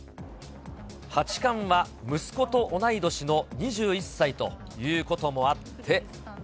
八冠は息子と同い年の２１歳ということもあって。